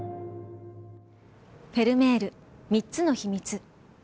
フェルメール３つの秘密。